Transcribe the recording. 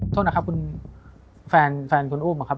โทษนะครับคุณแฟนคุณอุ้มนะครับ